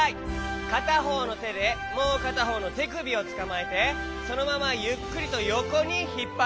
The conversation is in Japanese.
かたほうのてでもうかたほうのてくびをつかまえてそのままゆっくりとよこにひっぱっていくよ。